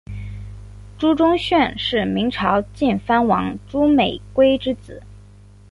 朱钟铉是明朝晋藩王朱美圭之子。